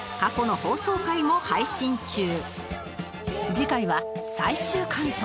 次回は最終観測